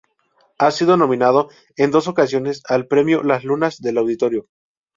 Ha sido nominado en dos ocasiones al premio Las lunas del Auditorio.